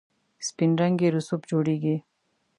سپین رنګی رسوب جوړیږي.